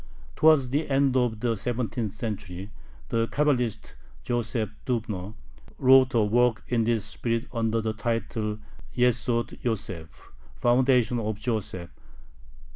Towards the end of the seventeenth century, the Cabalist Joseph Dubno wrote a work in this spirit under the title Yesod Yoseph, "Foundation of Joseph."